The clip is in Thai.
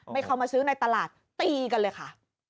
ไม่เข้ามาซื้อในตลาดตีกันเลยค่ะ